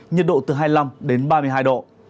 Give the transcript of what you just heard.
nhiệt độ từ hai mươi năm đến ba mươi hai độ